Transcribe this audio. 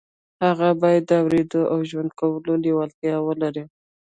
هغه بايد د اورېدو او ژوند کولو لېوالتیا ولري.